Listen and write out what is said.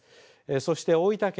そして大分県